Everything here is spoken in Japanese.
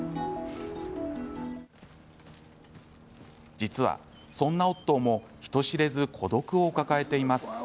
実は、そんなオットーも人知れず孤独を抱えています。